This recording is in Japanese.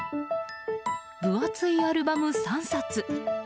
分厚いアルバム３冊。